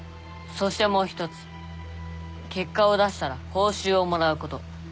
そしてもう一つ結果を出したら報酬をもらうこと。